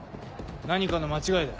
何かの間違いだ。